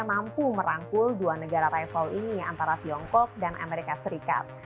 mampu merangkul dua negara rival ini antara tiongkok dan amerika serikat